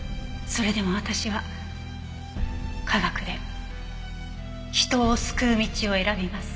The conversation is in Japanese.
それでも私は科学で人を救う道を選びます。